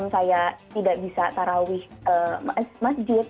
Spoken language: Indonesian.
saya tidak bisa tarawih masjid